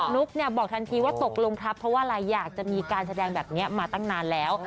อนุ๊คบอกทันทีว่าตกลงครับเพราะว่ารายอยากจะมีการแสดงเป็นแบบนี้มาตั้งนานแล้ว